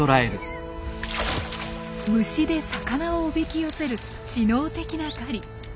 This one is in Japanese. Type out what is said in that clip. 虫で魚をおびき寄せる知能的な狩り。